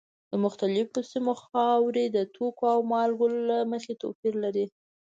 د مختلفو سیمو خاورې د توکو او مالګو له مخې توپیر لري.